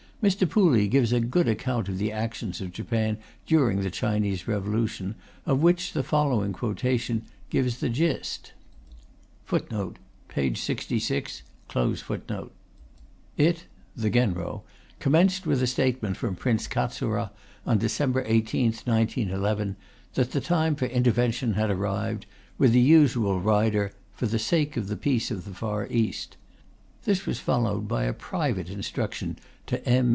Mr. Pooley gives a good account of the actions of Japan during the Chinese Revolution, of which the following quotation gives the gist: It [the Genro] commenced with a statement from Prince Katsura on December 18th , that the time for intervention had arrived, with the usual rider "for the sake of the peace of the Far East." This was followed by a private instruction to M.